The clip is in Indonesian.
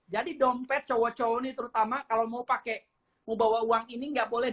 jadi dompet cowok cowok ini terutama kalau mau pakai mau bawa uang ini nggak boleh